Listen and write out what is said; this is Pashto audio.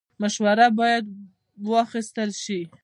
مشوره باید واخیستل شي